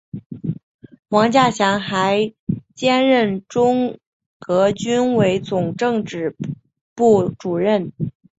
王稼祥还兼任中革军委总政治部主任。